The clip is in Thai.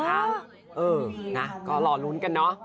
๓๘นะครับก็รอลุ้นกันเนาะ